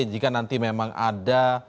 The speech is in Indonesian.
jika nanti memang ada